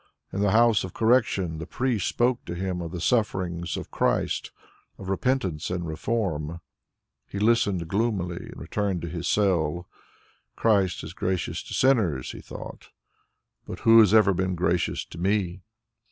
In the house of correction the priest spoke to him of the sufferings of Christ, of repentance and reform. He listened gloomily and returned to his cell. "Christ is gracious to sinners," he thought, "but who has ever been gracious to me?"